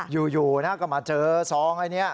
อยู่ก็มาเจอซองไอ้เนี้ย